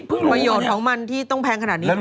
ประโยชน์ของมันที่ต้องแพงขนาดนี้